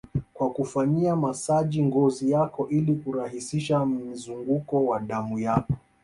kwa kufanyia masaji ngozi yako ili kurahisisha mzunguko wa damu yako